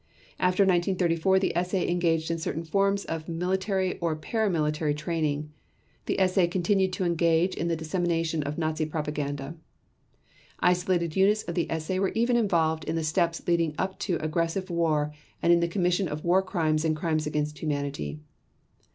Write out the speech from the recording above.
After 1934 the SA engaged in certain forms of military or para military training. The SA continued to engage in the dissemination of Nazi propaganda. Isolated units of the SA were even involved in the steps leading up to aggressive war and in the commission of War Crimes and Crimes against Humanity.